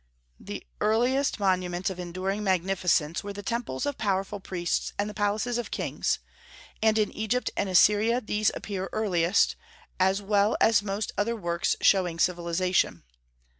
The earliest monuments of enduring magnificence were the temples of powerful priests and the palaces of kings; and in Egypt and Assyria these appear earliest, as well as most other works showing civilization.